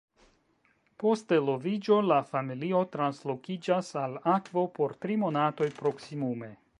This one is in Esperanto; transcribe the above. Post eloviĝo la familio translokiĝas al akvo por tri monatoj proksimume.